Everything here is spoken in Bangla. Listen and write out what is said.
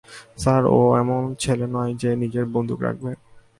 স্যার, ও এমন ছেলে নয়, যে নিজের বন্দুক রাখবে।